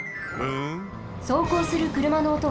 そうこうするくるまのおとは